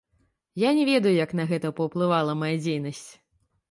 Я не ведаю, як на гэта паўплывала мая дзейнасць.